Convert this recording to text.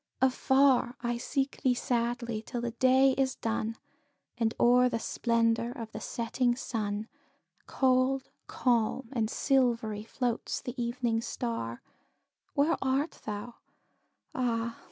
Afar I seek thee sadly, till the day is done, And o'er the splendour of the setting sun, Cold, calm, and silvery, floats the evening star; Where art thou? Ah!